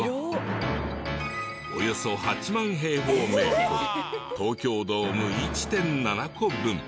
およそ８万平方メートル東京ドーム１．７個分。